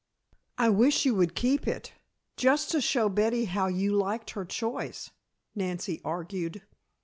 "I wish you would keep it. Just to show Betty how you liked her choice," Nancy argued.